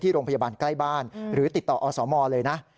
โรงพยาบาลใกล้บ้านหรือติดต่ออสมเลยนะ